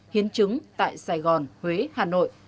hiến chứng tại sài gòn huế hà nội